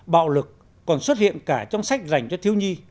bạo lực còn xuất hiện cả trong sách dành cho thiếu nhi